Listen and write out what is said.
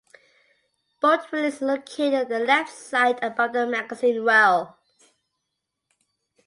Bolt release is located on the left side above the magazine well.